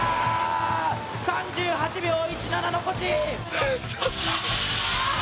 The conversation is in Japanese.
３８秒１７残し！